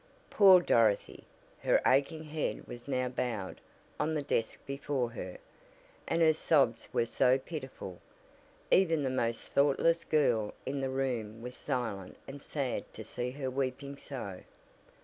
Poor Dorothy! Her aching head was now bowed on the desk before her, and her sobs were so pitiful, even the most thoughtless girl in the room was silent and sad to see her weeping so.